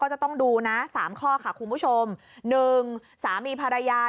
ก็จะต้องดูนะ๓ข้อค่ะคุณผู้ชม๑สามีภรรยา